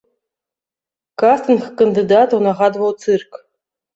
Кастынг кандыдатаў нагадваў цырк.